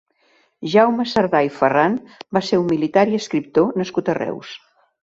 Jaume Sardà i Ferran va ser un militar i escriptor nascut a Reus.